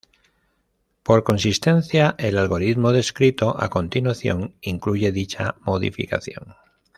Por consistencia, el algoritmo descrito a continuación incluye dicha modificación.